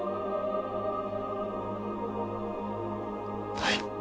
はい。